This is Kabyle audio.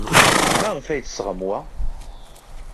Maɣef ay d-tesɣam wa?